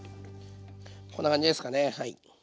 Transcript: こんな感じですかねはい。